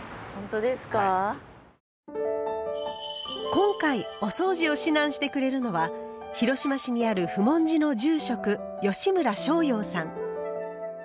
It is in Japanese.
今回おそうじを指南してくれるのは広島市にある普門寺の住職吉村昇洋さん。